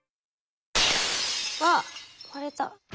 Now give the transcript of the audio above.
あっ割れた。